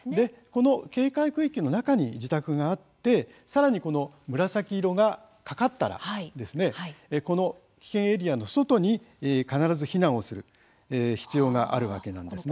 この警戒区域の中に自宅があってさらに紫色がかかったらこの危険エリアの外に必ず避難をする必要があるわけなんです。